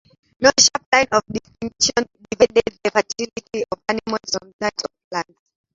No sharp line of distinction divided the fertility of animals from that of plants.